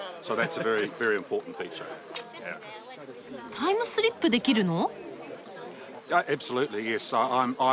タイムスリップできるの？